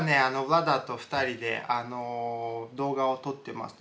ヴラダと２人で動画を撮ってます。